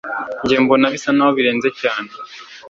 Njye mbona bisa naho bihenze cyane.